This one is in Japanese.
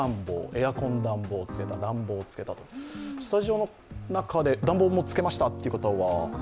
スタジオの中で暖房をもうつけましたという方は？